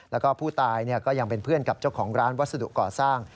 แล้วก็ผู้ตายก็ยังเป็นเพื่อนกับเจ้าของร้านวัสดุก่อสร้าง